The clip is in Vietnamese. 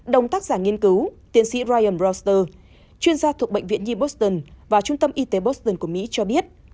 đồng tác giả nghiên cứu tiến sĩ ryan roster chuyên gia thuộc bệnh viện new boston và trung tâm y tế boston của mỹ cho biết